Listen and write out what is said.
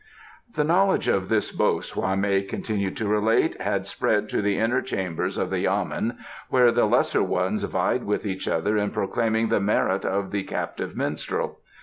The knowledge of this boast, Hwa mei continued to relate, had spread to the inner chambers of the yamen, where the lesser ones vied with each other in proclaiming the merit of the captive minstrel.